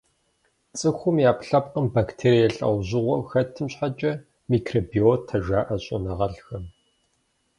Цӏыхум и ӏэпкълъэпкъым бактерие лӏэужьыгъуэу хэтым щхьэкӏэ микробиотэ жаӏэ щӏэныгъэлӏхэм.